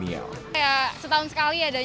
kayak setahun sekali adanya kan